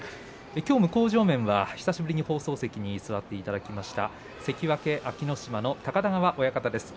きょう向正面は久しぶりに放送席に座っていただきました関脇安芸乃島の高田川親方です。